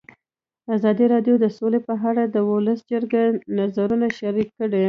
ازادي راډیو د سوله په اړه د ولسي جرګې نظرونه شریک کړي.